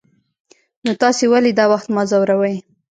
نو تاسې ولې دا وخت ما ځوروئ.